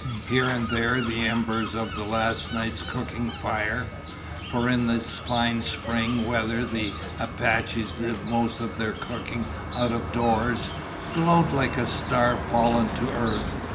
Here and there the embers of last night's cooking fire for in this fine spring weather the Apaches did most of their cooking out of doors glowed like a star fallen to earth.